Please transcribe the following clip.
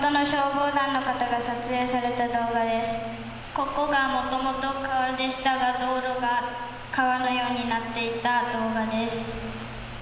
ここはもともと川でしたが道路が川のようになっていた動画です。